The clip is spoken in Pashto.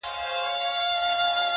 آسمانه ما خو داسي نه ویله!.